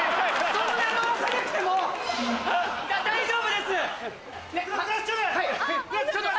そんな回さなくても大丈夫です。